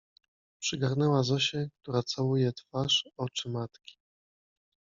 Przygarnęła Zosię, która całuje twarz, oczy matki.